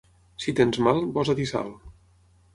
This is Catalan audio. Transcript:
Si tens mal, posa-t'hi sal.